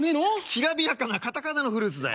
きらびやかな片仮名のフルーツだよ。